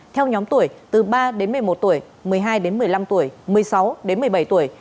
theo nhóm tuổi từ ba đến một mươi một tuổi một mươi hai đến một mươi năm tuổi một mươi sáu đến một mươi bảy tuổi